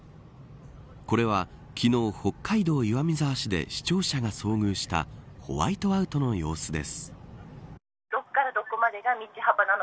これは昨日、北海道岩見沢市で視聴者が遭遇したホワイトアウトの様子です。